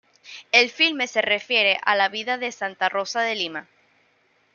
El filme se refiere a la vida de Santa Rosa de Lima.